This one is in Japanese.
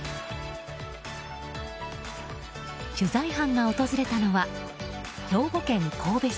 取材班が訪れたのは兵庫県神戸市。